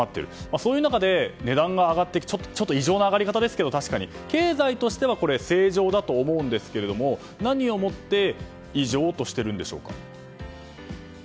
そういう中で値段が異常な上がり方ですが経済は正常だと思いますが何をもって異常としているんでしょうか。